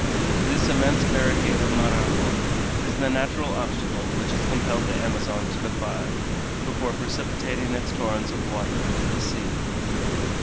This immense barricade of Marajo is the natural obstacle which has compelled the Amazon to divide before precipitating its torrents of water into the sea.